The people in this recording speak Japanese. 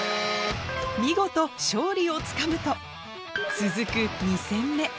見事、勝利をつかむと、続く２戦目。